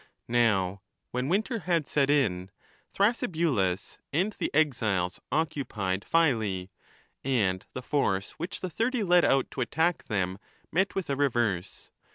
Now when winter had set in, Thrasybulus and the exiles 37 occupied Phyle, and the force which the Thirty led out to attack them met with a reverse.